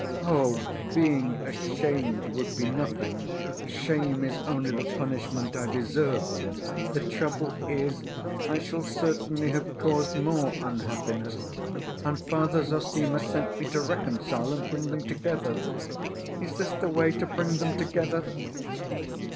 "Oh, being ashamed would be nothing; shame is only the punishment I deserve. The trouble is I shall certainly have caused more unhappiness.... And Father Zossima sent me to reconcile and bring them together. Is this the way to bring them together?"